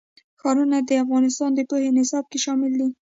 ښارونه د افغانستان د پوهنې نصاب کې شامل دي.